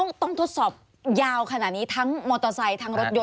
คือต้องทดสอบยาวขนาดนี้ทั้งมอเตอร์ไซค์ทั้งรถยนต์ใช่ไหมคะ